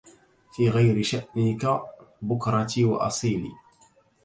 في غير شأنك بكرتي وأصيلي